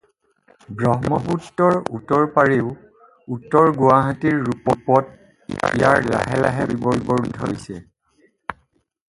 ব্ৰহ্মপুত্ৰৰ উত্তৰ পাৰেও উত্তৰ গুৱাহাটীৰ ৰূপত ইয়াৰ লাহে লাহে পৰিবৰ্ধন হৈছে।